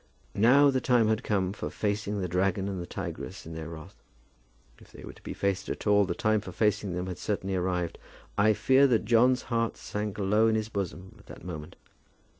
Now the time had come for facing the dragon and the tigress in their wrath. If they were to be faced at all, the time for facing them had certainly arrived. I fear that John's heart sank low in his bosom at that moment.